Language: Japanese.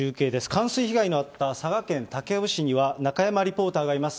冠水被害のあった佐賀県武雄市には、中山リポーターがいます。